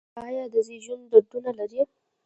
ایا د زیږون دردونه لرئ؟